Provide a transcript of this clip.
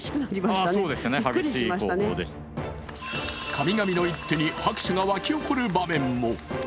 神々の一手に、拍手が沸き起こる場面も。